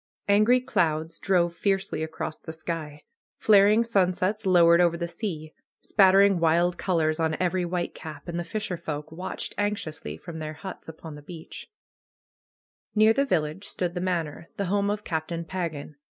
Angry clouds drove fiercely across the sky. Flaring sunsets lowered over the sea, spattering wild colors on every white cap. And the fisherfolk watched anxiously from their huts upon the beach. 123 lU THE KNELL OF NAT PAGAN Near the village stood the Manor, the home of Cap tain Pagan.